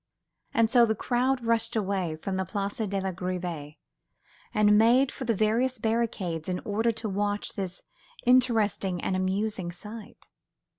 And so the crowd rushed away from the Place de la Grève and made for the various barricades in order to watch this interesting and amusing sight.